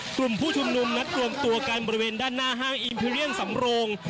กลุ่มผู้ชุมนุมนัดรวมตัวกันบริเวณด้านหน้าห้างอีมพิเลียนสำโรง